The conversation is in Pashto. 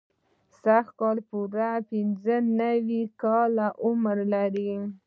سږ کال پوره پنځه نوي کاله عمر لري.